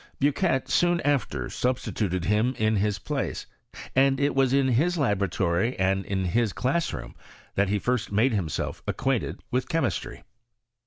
Bucquet soon after substituted him in his place, and it was in his laboratory and in his clas^ room that he first made himself ac 3uainted with chemistry.